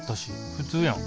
普通やん。